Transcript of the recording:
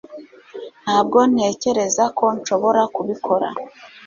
ntabwo ntekereza ko nshobora kubikora